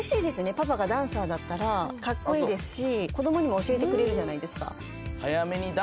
パパがダンサーだったらカッコイイですし子供にも教えてくれるじゃないですか。